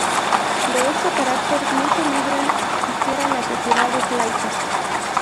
De este carácter no se libran siquiera las sociedades laicas.